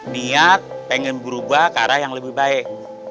niat pengen berubah ke arah yang lebih baik